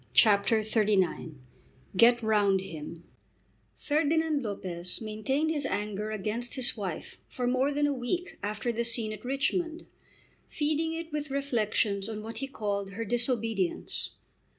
CHAPTER XXXIX "Get Round Him" Ferdinand Lopez maintained his anger against his wife for more than a week after the scene at Richmond, feeding it with reflections on what he called her disobedience.